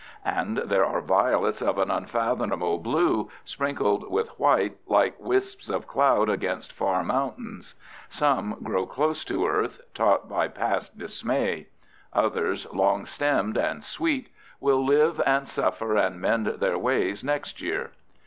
And there are violets of an unfathomable blue, sprinkled with white like wisps of cloud against far mountains. Some grow close to earth, taught by past dismay; others, long stemmed and sweet, will live and suffer and mend their ways next year.